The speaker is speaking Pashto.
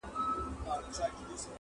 باغ او باغچه به ستا وي٫